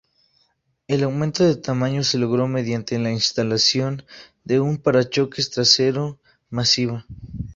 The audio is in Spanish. El aumento de tamaño se logró mediante la instalación de un parachoques trasero masiva.